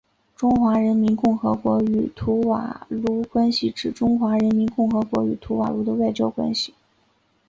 中华人民共和国与图瓦卢关系是指中华人民共和国与图瓦卢的外交关系。